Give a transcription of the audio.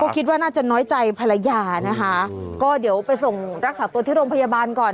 คิดว่าน่าจะน้อยใจภรรยานะคะก็เดี๋ยวไปส่งรักษาตัวที่โรงพยาบาลก่อน